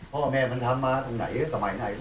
พ่อแม่มันทำมาตรงไหนสมัยไหน